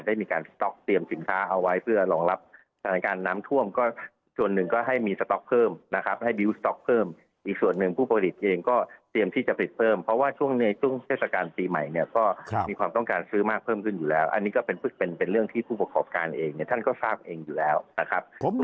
อีกส่วนหนึ่งก็ให้มีสต๊อกเพิ่มนะครับให้ดิวสต๊อกเพิ่มอีกส่วนหนึ่งผู้ผลิตเองก็เตรียมที่จะผลิตเพิ่มเพราะว่าช่วงในช่วงเทศกาลปีใหม่เนี่ยก็มีความต้องการซื้อมากเพิ่มขึ้นอยู่แล้วอันนี้ก็เป็นเป็นเรื่องที่ผู้ประกอบการเองเนี่ยท่านก็ทราบเองอยู่แล้วนะครับ